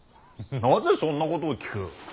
なぜそんなことを聞く。